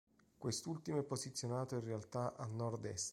Quest'ultimo è posizionato in realtà a nordest.